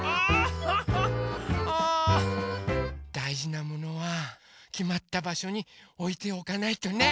だいじなものはきまったばしょにおいておかないとね！